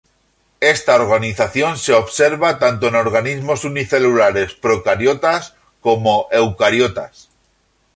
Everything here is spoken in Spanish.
Esta organización se observa tanto en organismos unicelulares procariotas como eucariotas.